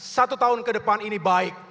satu tahun ke depan ini baik